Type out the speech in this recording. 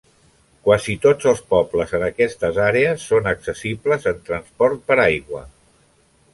Quasi tots els pobles en aquestes àrees són accessibles amb transport per aigua.